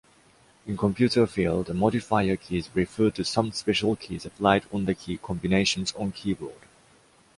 In computer field, the modifier keys refer to some special keys applied on the key combinations on keyboard.